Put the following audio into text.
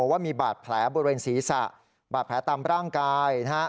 ว่ามีบาดแผลบริเวณศีรษะบาดแผลตามร่างกายนะฮะ